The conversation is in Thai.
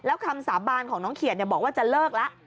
แล้วคำสาบานของน้องเขียนบอกว่าจะเลิกแล้ว